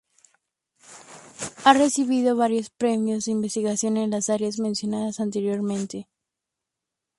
Ha recibido varios premios de investigación en las áreas mencionadas anteriormente.